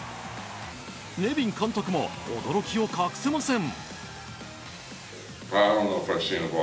ネビン監督も驚きを隠せません。